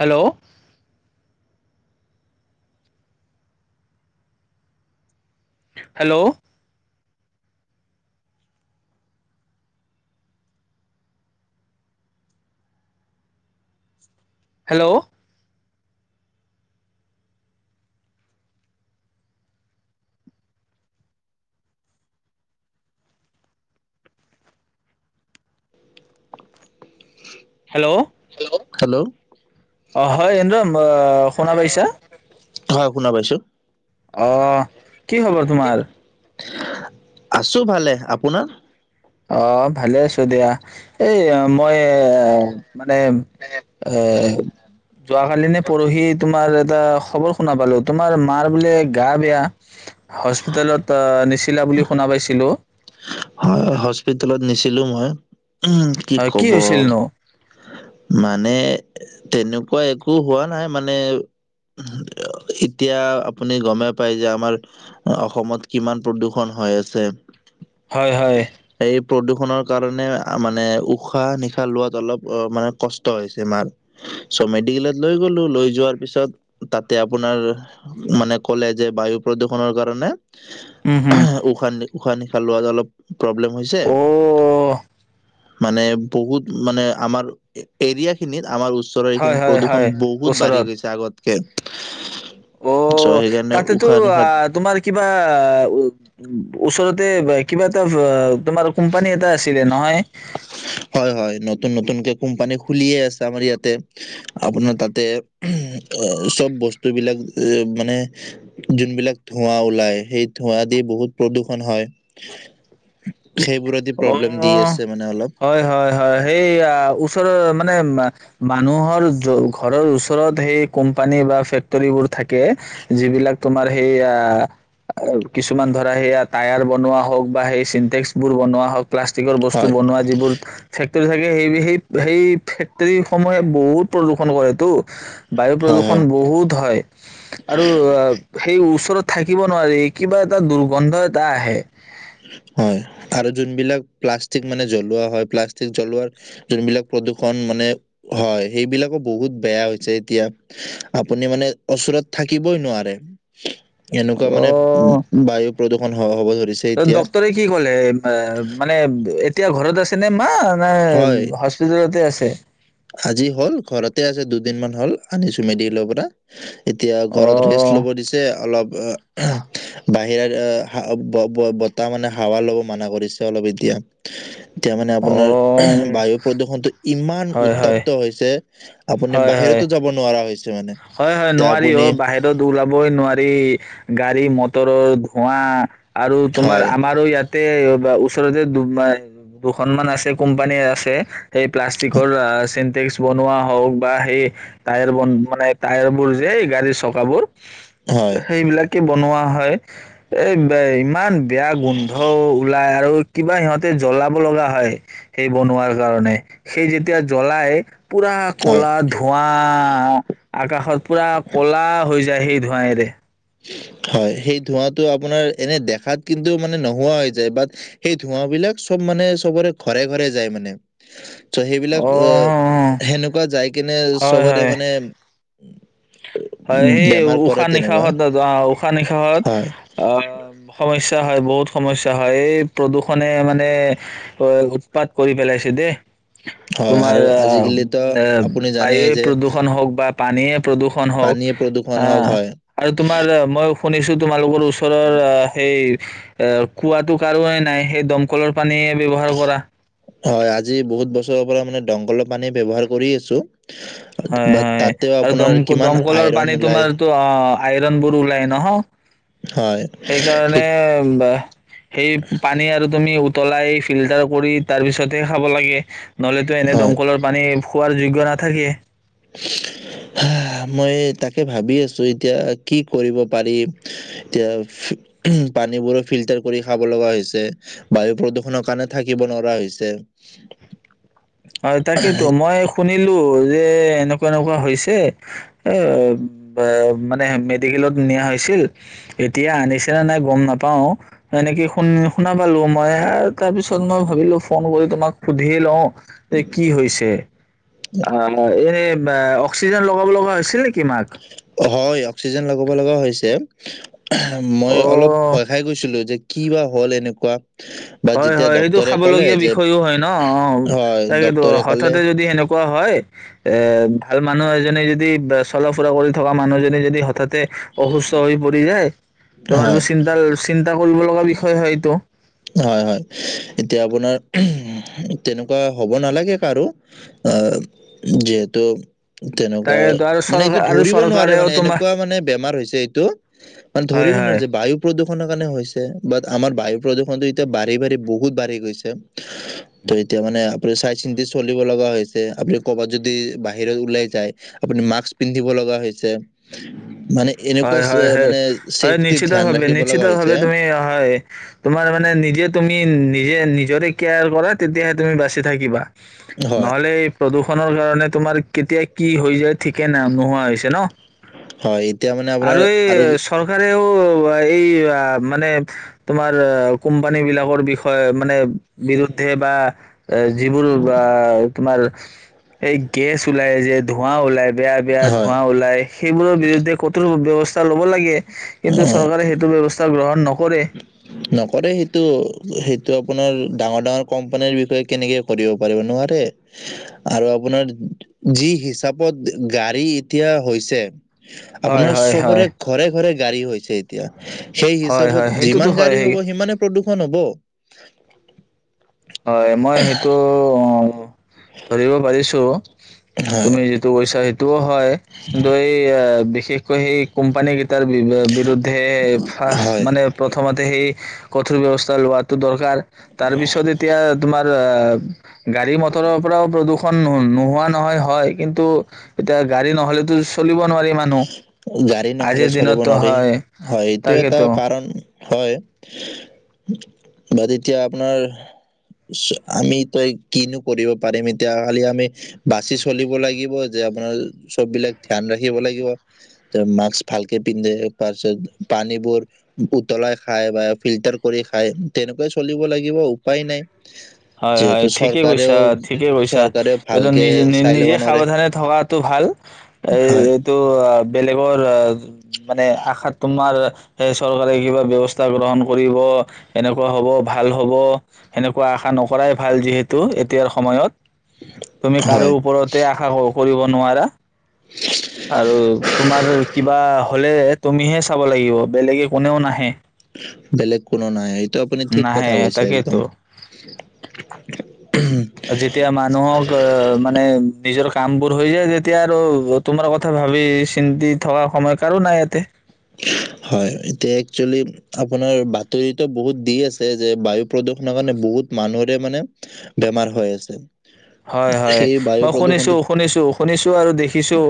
Hello hello hello hello hello অ হয় ইন্দ্ৰ শুনা পাইছা হয় শুনা পাইছো। অ কি খবৰ তোমাৰ। আছো ভালে আপোনাৰ। অ ভালে আছো দিয়া এই মৈয়। মানে এ যোৱ কালিনে পৰহি তোমাৰ এটা খবৰ শুনা পালো তোমাৰ মাৰ বোলে গা বেয়া হস্পিতালত নিচিলা বুলি শুনা পাইছিলো। হয় হস্পিতেলত নিছিলো মই। উ কি হয় কব। হৈছিল নো মানে তেনেকুৱা একো হোৱা নাই মানে এতিয়া আপুনি গম পাই যে আমাৰ অসমত কিমান প্ৰদূৰ্ষন হৈ আছে। হয় হয়। প্ৰদূৰষণৰ কাৰণে মানে উশাহ নিশাহ লোৱাত অলপ মানে কষ্ট হৈছে মাৰ চ' মেডিকেলত লৈ গলো লৈ যোৱাৰ পিছত তাতে আপোনাৰ মানে ক'লে যে বায়ু প্ৰদূৰষণনৰৰ কাৰণে উম হম অহে উখা উশান নিশাহ লোৱাত অলপ। প্ৰব্লেম হৈছে। অ মানে বহুত মানে আমাৰ এৰিয়া খিনিত আমাৰ। ওচৰৰ হয় এইখিনি হয় প্ৰদূষণ হয় বহুত ওচৰত বাঢ়ি গৈছে। আগত কেত। অ' তাতেতো, তোমাৰ কিবা উ ওচৰতে কিবা এটা তোমাৰ কোম্প পানী এটা আছিলে নহয়, কোম্পানীৰ খোলি আছে আপোনাক তাতে উম ওচৰত বস্তু বিলাক তে মানে যোনবিলাক ধৰা দি বহুত প্ৰদূষণ হয়। প্ৰদিপ। অ হয় হয় হয় সেইয়া। ওচৰ মানে মানুহৰ ঘৰৰ ওচৰত সেই কোম্পানী বা ফেক্টৰীবোৰ থাকে। কে যিবিলাক। তোমাৰ সেই আ কিছুমান ধৰা সেইয়া টায়াৰ বনোৱা হওক, বা সেই চিন্টেক্স বোৰ বনোৱা, হওক প্লাষ্টিকৰ বস্তু হয় বনোৱা যিবোৰ ফেক্টৰি ফেক্টৰী থাকে সেই সেই সেই ফেক্টৰীসমূহে বহুত প্ৰদূষণ কৰে তো, বায়ু হয় হয় প্ৰদূষণ বহুত হয়। আৰু সেই ওচৰত থাকিব। নোৱাৰি কিবা এটা দুৰ্গন্ধ এটা আহে। হয়। আৰু যোনবিলাক প্লাষ্টিক মানে জলোৱা হয় প্লাষ্টিক জলোৱাৰ যোনবিলাক প্ৰদূৰ্ষ মানে হয়, সেইবিলাকো বহুত বেয়া হৈছে এতিয়া আপুনি মানে ওচৰত থাকিবৈ নোৱাৰে। এনেকুৱা মানে উ, বায়ু প্ৰদূষণ হ, হব ধৰিছে এতিয়া ডক্টৰে কি ক'লে? মানে এতিয়া ঘৰত আছে হয় [unintelligible] [unintelligible] হস্পিতালতে আছে। [unintelligible] আজি হ'ল ঘৰতে আছে, দুদিন মান হ'ল, আনিছো মেডিকেলৰ পৰা। এতিয়া অ ঘৰত ৰেষ্ট ল'ব দিছে। অলপ [unintelligible] বাই। এ' বতাহ মানে হাৱা ল'ব মানা কৰিছে অলপ এতিয়া। এতিয়া মানে অ আপোনাৰ বায়ু প্ৰদূষণটো ইমান উট। হয় হয় তপ্ত হৈছে। আপুনি হয় হয় বাহিৰতো যাব নোৱাৰা হৈছে, মানে হয়, হয় এতিয়া নোৱাৰি আপুনি অ', বাহিৰত ওলাবই নোৱাৰি। গাড়ী মটৰৰ ধোঁৱা। আৰু, তোমাৰ হয় আমাৰো ইয়াতে বা ওচৰতে দু-দুখনমান আছে, কোম্পানী আছে। সেই প্লাষ্টিকৰ আ [unintelligible] টেক্স বনোৱা হওঁক বা, সেই ট্ৰায়াৰ বন বনাই টায়াৰ বোৰ যে এই গাড়ীৰ চকাবোৰ হয় সেইবিলাকে বনোৱা হয়। এ বে ইমান বেয়া গোন্ধ ওলাই আৰু। কিবা সিহঁতে জ্বলাব লগা হয়, সেই বনোৱাৰ কাৰণে সেই যেতিয়া জ্বলাই পুৰা হয় ক'লা ধুৱা। আকাশ পুৰা ক'লা হৈ যায়, সেই ধোঁৱাইৰে। হয়, সেই ধোঁৱাটো আপোনাৰ এনে দেখাত কিন্তু মানে নোহোৱা হৈ যায়। বাত সেই ধোঁৱাবিলাক চব মানে চবৰে ঘৰে ঘৰে যায় মানে। ত, অ সেইবিলাক আ সেনেকোৱা যায় কিনে হয় চবৰে হয় মানে হয়, উম, সেই বেমাৰ কৰে উশাহ তেনেকুৱা নিশাহত অ', উশাহ নিশাহত হয় অ', সমস্যা হয় বহুত। সমস্যা হয়, এই প্ৰদূষণে মানে অ' উৎপাত কৰি পেলাইছে দেই। হয় তোমাৰ আৰু আহ আজিকালিতো আ আপুনি জানে বায়ুয়ে যে প্ৰদূষণ হওঁক বা পানীয়ে প্ৰদূষণ হওঁক। পানীয়ে প্ৰদূষণ হা, হওক হয় আৰু তোমাৰ মইও এ শুন [unintelligible] তোমালোকৰো উচ ওচৰৰ আ সেই এ, কুৱাতটো কাৰোয়ে নাই? হে দমকলৰ পানীয়ে ব্যৱহাৰ কৰা হয়, আজি বহুত বছৰৰ পৰা মানে দমকলৰ পানী ব্যৱহাৰ কৰি আছো। হয়, বাট হয় তাতেও আৰু আপোনাৰ দম- কিমান দমকলৰ আইৰন পানী ওলাই তোমাৰটো অ'। আইৰন বোৰ ওলাই নহ? হয় হেইকাৰণে সেই- বা সেই পানী আৰু তুমি উত উতলাই ফিল্টাৰ কৰি, তাৰ পিছতহে খাব লাগে। নহলেতো এনে হয় দমকলৰ পানী খো খোৱাৰ যোগ্য নাথাকে। [unintelligible] মই তাকে ভাবি আছো এতিয়া কি কৰিব পাৰিম, এতিয়া [unintelligible] পানীবোৰো ফিল্টাৰ কৰি খাব লগা হৈছে, বায়ু প্ৰদূষনৰ কাৰণে থাকিব নোৱাৰা হৈছে। হয়, তাকেইেতো মই শুনি শুনিলো যে এনেকুৱা- এনেকুৱা হৈছে, এ বা মানে মেডিকেলত নিয়া হৈছিল, এতিয়া আনিছেনে নাই গম নাপাও, এনেকে শুন -শুনা পালো মই আৰ তাৰপিছত মই ভাবিলো, ফ'ন কৰি তোমাক সুধিয়েই লও। এ কি হৈছে? আমৰ এ বা অক্সিজেন লগাব লগা হৈছিল নি? হয়আ। অক্সিজেন লগাব লগা হৈছে। [unintelligible] মই অলপ অ' ভয় খাই গৈছিলোঁ যে কি বা হ'ল এনেকুৱা? বা হয়, যেতিয়া হয়, হেইটো ডক্তৰে খাব ক'লে লগীয়া যে বিষয়ো হয় ন? অ', হয় তাকেইটো ডক্তৰে ক'লে হঠাতে যদি হেনেকুৱা হয়! এ ভাল মানুহ এজনে যদি ব চলা ফুৰা কৰি থকা মানুহজনে যদি হঠাতে অসুস্থ হৈ পৰি যায়। তোমাৰ যে হয় চিন্ত- চিন্তা। কৰিবলগা বিষয় হয়তো। হয়, হয়, এতিয়া আপোনাৰ উম, তেনেকুৱা হ'ব নালাগে কাৰো, আ যিহেতু তেনেকুৱা তাকেতো আৰু মানে এইটো চৰকাৰ আৰু ধৰিব নোৱাৰে চৰকাৰেও মানে তোমাৰ এনেকুৱা মানে বেমাৰ হৈছে এইটো মা হয়, ধৰিব নোৱাৰে হয়। যে বায়ু প্ৰদূ সনা কাৰণেও হৈছে বাত আমাৰ বায়ু প্ৰদুষণটো এতিয়া বাঢ়ি বাঢ়ি বহুত বাঢ়ি গৈছে তো এতিয়া মানে আপুনি চাই চিন্তি চলিব লগা হৈছে। আপুনি ক'বাত যদি বাহিৰত ওলাই যায় আপুনি মাস্ক পিন্ধিবল'গা হৈছে। মানে এনেকুৱা হয় হয় স চ- মানে হয় চেফটিৰ নিশ্চিত ধ্যান ভাৱে ৰাখিব নিশ্চিত লগা হৈছে ভাৱে তুমি হয় তোমাৰ মা মানে নিজে তুমি নিজে নিজৰে কেয়াৰ কৰা, তেতিয়াহে তুমি বাচি থাকিবা। হয় নহ'লে এই প্ৰদূষণৰ কাৰণে তোমাৰ কেতিয়া কি হৈ যায় ঠিকে ন নোহোৱা হৈছে ন? হয় এই আৰু এই চৰকাৰে এও এই মানে তোমাৰ কোম্পানী বিলাকৰ বিষয়ে মানে বিৰুদ্ধে বা যিবোৰ বা তোমাৰ এই গেছ ওলায় যে ধোঁৱা ওলায় বেয়া বেয়া হয় ধোঁৱা ওলায়, সেইবোৰৰ বিৰুদ্ধে ক ব্যৱস্থা ল'ব লাগে। অ কিন্তু চৰকাৰে সেইটো ব্যৱস্থা গ্ৰহণ নকৰে। নকৰে সেইটো সেইটো আপোনাৰ ডাঙৰ ডাঙৰ কোম্পানীৰ বিষয়ে কেনেকে কৰিব পাৰিব! নোৱাৰে। আৰু আপোনাৰ যি হিচাপত গাড়ী এতিয়া হৈছে, হয় আপোনাৰ হয় চবৰে হয় ঘৰে ঘৰে গাড়ী হৈছে এতিয়া। সেই হয় হয় হিচাপত সেইটোতো যিমান যাই হয় গাড়ী সেই- হ'ব সিমানে প্ৰদূষণ হ'ব। হয় মই সেইটো অ। ধৰিব পাৰিছো। হয়, তুমি যিটো কৈছা সেই। তোহ হয়, কিন্তু এই বিশেষ। সেই কোম্পানী কেইটাৰ বি বিৰুদ্ধে ফাৰ্ষ্ট, হয়। মানে প্ৰথমতে সেই। কঠোৰ ব্যৱস্থা লোৱাটো দৰকাৰ। তাৰপিছত তোমাৰ গাড়ী-মটৰৰ পৰাও প্ৰদূষণ নোহোৱা নহয় হয়, কিন্তু এতিয়া গাড়ী নহলেতো। চলিব নোৱাৰি মানুহ গাড়ী নহ'লে আজিৰ চলিব দিনততো নোৱাৰি, হয়, হয় এইটো এটা তাকেতো। কাৰণ। হয়। বাট এতিয়া আপোনাৰ আমি এতিয়া কিনো কৰিব পাৰিম, এতিয়া খালি আমি বাচি চলিব লাগিব যে আপোনাৰ চব বিলাক ধ্যান ৰাখিব লাগিব, মাস্ক ভালকে পিন্ধে তাৰ পিছত পানীবোৰ উতলাই খায় বা ফিল্টাৰ কৰি খাই তেনেকুৱাই চলিব লাগিব উপায় নাই। হয় হয় যিহেতু ঠিকে চৰকাৰেও কৈছা, ঠিকে কৈছা। চৰকাৰেও এতিয়া ভালকে নিজে নি চাই ল'ব নিজে নোৱাৰে সাৱধানে থকাতটো ভাল। এই হয় এইটো বেলেগৰ। [unintelligible] মানে আশাত তোমাৰ। এ চৰকাৰে কিবা ব্যৱস্থা গ্ৰহণ কৰিব, এনেকুৱা হ'ব, ভাল হ'ব, সেনেকোৱা আশা নকৰাই নকৰাই ভাল যিহেতু এতিয়াৰ সময়ত। তুমি কাৰো হয় ওপৰতে আশা কৰিব কৰিব নোৱাৰা। আৰু তোমাৰ কিবা হ'লে। তুমিহে চাব লাগিব। বেলেগে কোনেও নাহে। বেলেগ কোনো নাই। এই এইটো আপুনি ঠিক নাহে কথা কৈছে একদম। তাকেইতো যেতিয়া মানুহক মানে নিজৰ। কাম বোৰ হৈ যায় যেতিয়া আৰু তোমাৰ কথা ভাবি চিন্তি থকা সময় কাৰো নাই ইয়াতে। হয়, এতিয়া একচুৱেলি আপোনাৰ বাতৰিতো বহুত দি আছে যে বায়ু প্ৰদূষণৰ কাৰণে বহুত মানুহৰে মানে বেমাৰ হৈ আছে। হয় হয়, সেই বায়ু মই শুনিছো প্ৰদূষণটো শুনিছো শুনিছো আৰু দেখিছো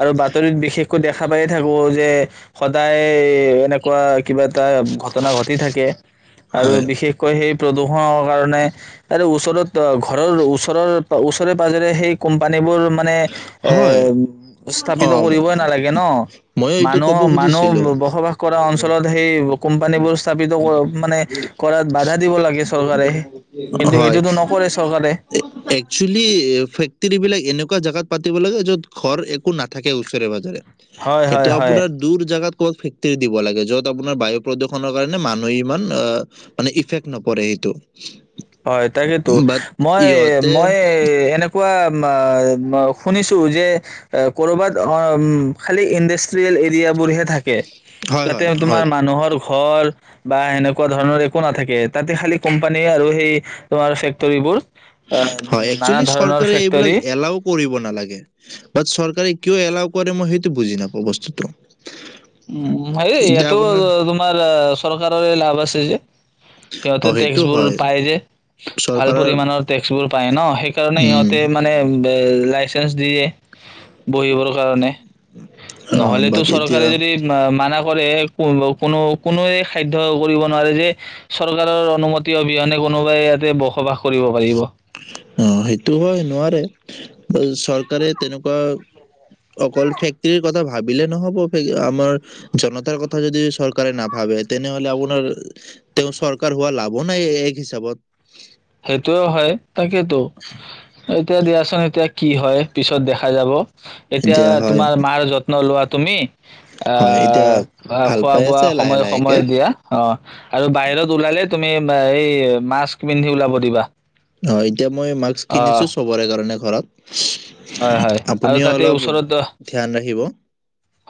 আৰু বাতৰিত বিশেষকৈ দেখা পায়ে থাকো, যে সদায় এনেকুৱা কিবা। এটা ঘটনা ঘটি থাকে আৰু হয় বিশেষকৈ সেই। প্ৰদূষণৰ কাৰণে আৰে ওচৰত আ ঘ ঘৰৰ ঘৰৰ ওচৰে পাজৰে সেই কোম্পানীবোৰ মানে এ হয় অ স্থাপিত কৰিবই নালাগে ন, মই এইটো মানুহ ক'ব মানুহ খুজিছিলো বসবাস কৰা অঞ্চলত সেই কোম্পানীবোৰ স্থাপিত মানে কৰাত বাধা দিব লাগে চৰকাৰে, কিন্তু সেইটোতো নকৰে চৰকাৰে। এক্সুৱেলি ফেক্টৰী বিলাক এনেকুৱা-া [unintelligible] হয় সেইটো হয় হয় আপোনাৰ দূৰ জোগাত ক'ত ফেক্টৰী দিব লাগে, য'ত আপোনাৰ বায়ু প্ৰদূষণৰ কাৰণে মানুহে ইমান মানে ইফেক্ট নপৰে সেইটো। হয় তাকেতো, বাট মই ইহঁতে মই এনে কোৱা শুনিছো যে কৰ'বাত খালি ইণ্ডাষ্ট্ৰিয়েল এৰিয়াবোৰ হে থাকে। হয় তাতে হয় তোমাৰ হয় মানুহৰ ঘৰ বা সেনেকুৱা ধৰণৰ একো নাথাকে, তাতে খালি কোম্পানীয়ে আৰু-া সেই তোমাৰ ফেক্টৰীবোৰ আ হয়, নানা এক্সুৱেলি ধৰণৰ চৰকাৰে ফেক্টৰী এইবিলাক এলাও কৰিব নালাগে। বাট চৰকাৰে কিয় এলাও কৰে মই সেইটো বুজি নাপাওঁ বস্তুটো। উম হয়ে, এতিয়া ইয়টো আপোনাৰ তোমাৰ চৰকাৰৰে লাভ আছে যে। অ সিহতে সেইটো টেক্সবোৰ হয় পাই যে, ভাল চৰকাৰৰ পৰিমাণৰ টেক্সবোৰ। পায় ন, সেইকাৰণে উম সিহঁতে মানে [inaudible] লাইচেঞ্চ দিয়ে, বহিবৰ কাৰণে। অ নহলেতো বাট এতিয়া চৰকাৰে অ মানা কৰে কোনো কোনোৱে সাধ্য কৰিব নোৱাৰে যে, চৰকাৰৰ অনুমতি অবিহনে কোনোবাই ইয়াতে বসবাস কৰিব পাৰিব সেইটো হয় নোৱাৰে চৰকাৰে তেনেকুৱা অকল ফেক্টৰীৰ কথা ভাবিলে নহব। আমাৰ জনতাৰ কথা যদি চৰকাৰে নাভাবে, তেনেহলে আপোনাৰ তেওঁ চৰকাৰ হোৱা লাভো নাই এক হিচাপত। সেইটো হয়। তাকেইতো, এতিয়া দিয়াচোন এতিয়া কি হয়, পিছত দেখা যাব। এতিয়া তোমাৰ মাৰ যত্ন লোৱা তুমি হয় এতিয়া অ' ভাল খোৱা পাই বোৱা আছে লাহে সময়ে লাহেকে সময়ে দিয়া, অ আৰু বাহিৰত ওলালে তুমি বা, এই মাস্ক পিন্ধি ওলাব। কৰিবা অ, এতিয়া মই মাস্ক কিনিছো চবৰে কাৰণে ঘৰত। হয়-হয় আৰু আপুনিও তাতে অলপ ওচৰত ধ্যান ৰাখিব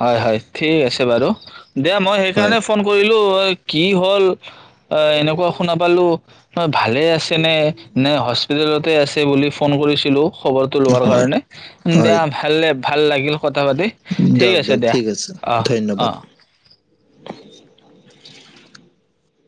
হয়-হয় ঠিক আছে। [unintelligible] বাৰু দে মই হয় সেইকাৰণে ফোন কৰিলো কি হ'ল অ, এনেকুৱা শুনাপালো মই ভালে আছে নে-নে হস্পিতেলত তে আছে বুলি ফোন কৰিছিলোঁ খবৰটো লোৱাৰ হয় কাৰণে দিয়া হয় ভাললেব ভাল লাগিল কথা পাতি ঠিক দিয়ক আছে দিয়ক দিয়া আছে অ, ধন্যবাদ অঁ। [inaudible]